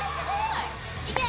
いけ！